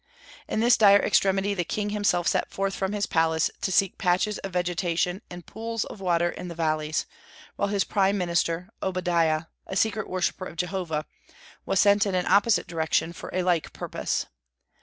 In this dire extremity the king himself set forth from his palace to seek patches of vegetation and pools of water in the valleys, while his prime minister Obadiah a secret worshipper of Jehovah was sent in an opposite direction for a like purpose.